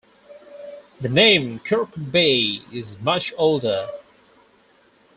The name Kirkby is much older.